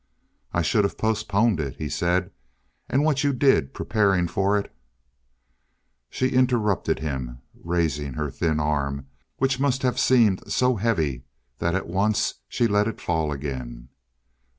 "I should have postponed it," he said. "And what you did, preparing for it " She interrupted him, raising her thin arm, which must have seemed so heavy that at once she let it fall again.